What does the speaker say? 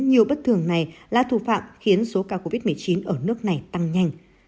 nhiều bất thường này là thù phạm khiến số ca covid một mươi chín ở nước này tăng nhanh